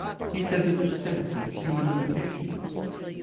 He says it's a sense of human limitations."